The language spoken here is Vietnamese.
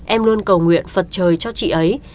em luôn cầu nguyện phật trời cho chị ấy